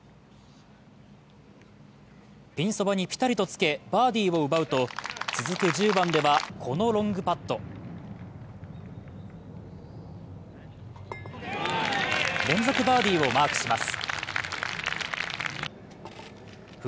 ピンそばにぴたりとつけバーディーを奪うと続く１０番では、このロングパット連続バーディーをマークします。